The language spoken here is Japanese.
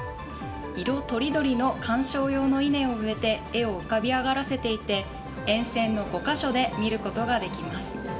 色とりどりの観賞用の稲を植えて絵を浮かび上がらせていて沿線の５か所で見ることができます。